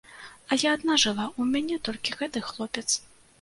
А я адна жыла, у мяне толькі гэты хлопец.